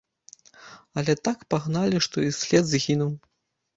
Але так пагналі, што і след згінуў.